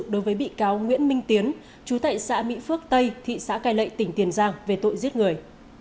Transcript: đối với bị cáo nguyễn minh tiến chú tại xã mỹ phước tây thị xã cai lệ tỉnh tiền giang về tội giết người